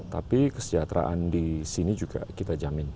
tapi kesejahteraan di sini juga kita jamin